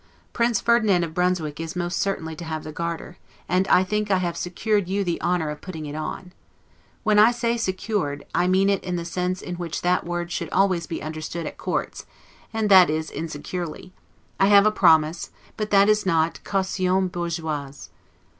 Prince Ferdinand of Brunswick is most certainly to have the Garter, and I think I have secured you the honor of putting it on. When I say SECURED, I mean it in the sense in which that word should always be understood at courts, and that is, INSECURELY; I have a promise, but that is not 'caution bourgeoise'.